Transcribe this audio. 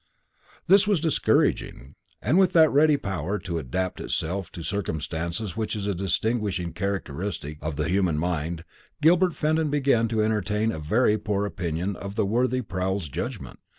This was discouraging; and with that ready power to adapt itself to circumstances which is a distinguishing characteristic of the human mind, Gilbert Fenton began to entertain a very poor opinion of the worthy Proul's judgment.